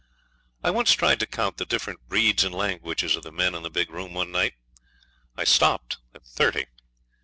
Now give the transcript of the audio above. I once tried to count the different breeds and languages of the men in the big room one night. I stopped at thirty.